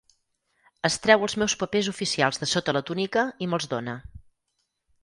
Es treu els meus papers oficials de sota la túnica i me'ls dóna.